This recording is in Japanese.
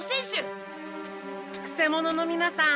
くせ者のみなさん